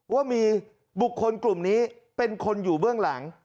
ว่ามีบุคคลกลุ่มนี้เป็นคนอยู่เบื้องหลัง